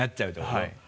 はい。